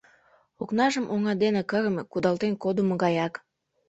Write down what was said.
Окнажым оҥа дене кырыме, кудалтен кодымо гаяк.